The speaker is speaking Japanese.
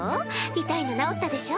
痛いの治ったでしょ？